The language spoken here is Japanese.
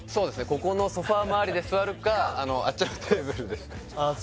ここのソファ周りで座るかあのあっちのテーブルですねああ